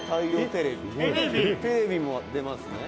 「テレビも出ますね」